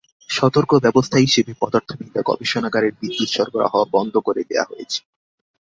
সতর্ক ব্যবস্থা হিসেবে পদার্থবিদ্যা গবেষণাগারের বিদ্যুৎ সরবরাহ বন্ধ করে দেয়া হয়েছে।